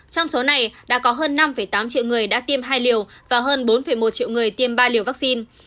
trong số này đã có hơn năm tám triệu người đã tiêm hai liều và hơn bốn một triệu người tiêm ba liều vaccine